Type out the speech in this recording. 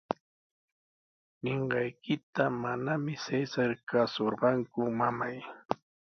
Ninqaykita manami Cesar kaasurqanku, mamay.